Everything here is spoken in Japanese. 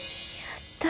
やった！